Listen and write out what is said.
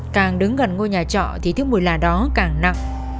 càng đứng gần ngôi nhà trọ thì thức mùi lạ đó càng nặng